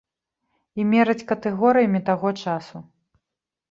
І мераць катэгорыямі таго часу.